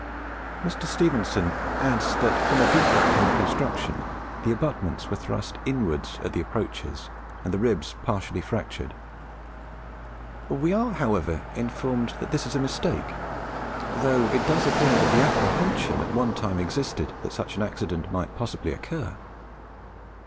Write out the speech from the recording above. Mr. Stephenson adds that from a defect in the construction the abutments were thrust inwards at the approaches and the ribs partially fractured. We are, however, informed that this is a mistake, though it does appear that the apprehension at one time existed that such an accident might possibly occur.